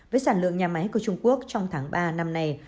với sản lượng nhà máy của trung quốc trong tháng ba năm nay